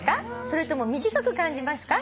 それとも短く感じますか？」